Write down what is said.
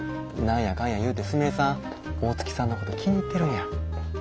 何やかんやいうてすみれさん大月さんのこと気に入ってるんや。